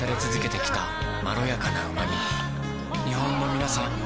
日本のみなさん